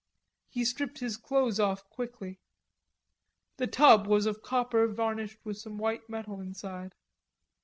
He stripped his clothes off quickly. The tub was of copper varnished with some white metal inside.